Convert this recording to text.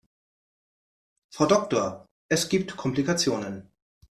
Frau Doktor, es gibt Komplikationen.